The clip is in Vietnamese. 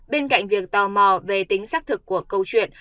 bên cạnh việc tò mò về tính xác thực của câu chuyện